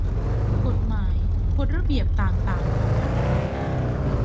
กฎหมาย กฎระเบียบต่างต่าง ของภาครัฐ